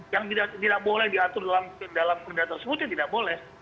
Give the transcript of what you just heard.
yang tidak boleh diatur dalam perda tersebut ya tidak boleh